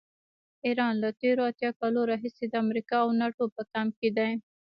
ایران له تېرو اتیا کالو راهیسې د امریکا او ناټو په کمپ کې دی.